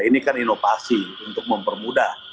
ini kan inovasi untuk mempermudah